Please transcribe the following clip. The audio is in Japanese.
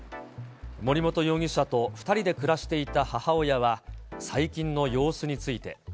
森本容疑者と２人で暮らしていた母親は、最近の様子について。